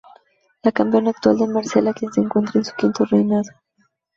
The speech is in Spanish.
La campeona actual es Marcela, quien se encuentra en su quinto reinado.